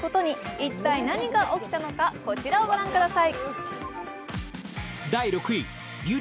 一体何が起きたのかこちらをご覧ください。